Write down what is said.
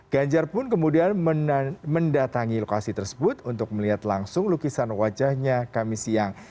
ganjar pun kemudian mendatangi lokasi tersebut untuk melihat langsung lukisan wajahnya kami siang